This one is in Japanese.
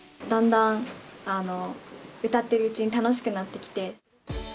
だんだん歌っているうちに楽しくなってきて。